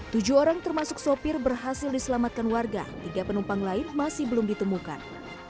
tujuh orang termasuk sopir berhasil diselamatkan warga tiga penumpang lain masih belum ditemukan